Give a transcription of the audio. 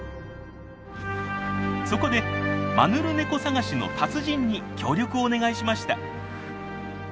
そこでマヌルネコ探しの達人に協力をお願いしました。